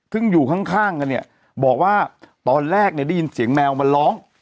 ซึ่งอยู่ข้างกันเนี่ยบอกว่าตอนแรกเนี่ยได้ยินเสียงแมวมาร้อง